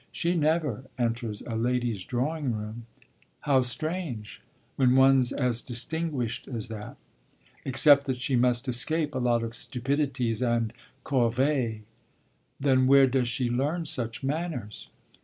She never enters a lady's drawing room." "How strange, when one's as distinguished as that; except that she must escape a lot of stupidities and corvées. Then where does she learn such manners?"